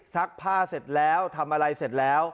ซักผ้าเสร็จแล้วทำอะไรเสร็จแล้ว